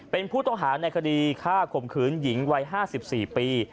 เป็นผู้ต้องหาในคดีฆ่าข่มขืนหญิงวัย๕๔ปี